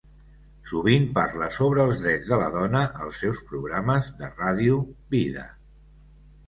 Sovint parla sobre els drets de la dona als seus programes de ràdio, Vida!